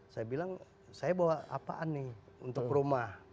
saya bilang saya bawa apaan nih untuk rumah